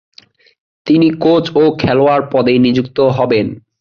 তিনি কোচ ও খেলোয়াড় পদে নিযুক্ত হবেন।